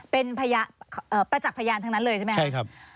เป็นประจักษ์พยานทั้งนั้นเลยใช่ไหมครับ